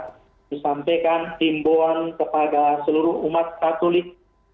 kami sampaikan timbuhan kepada seluruh umat katolik